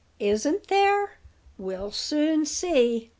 "Isn't there? We'll soon see."